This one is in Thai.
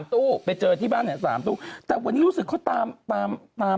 ๓ตู้ไปเจอที่บ้านเองแต่วันนี้รู้สึกเขาตาม